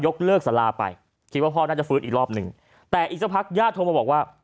เลิกสาราไปคิดว่าพ่อน่าจะฟื้นอีกรอบหนึ่งแต่อีกสักพักญาติโทรมาบอกว่า